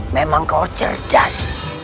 memang kau cerjas